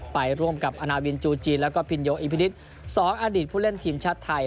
ไปร่วมกับอาณาวินจูจีนแล้วก็พินโยอีพินิษฐ์๒อดีตผู้เล่นทีมชาติไทย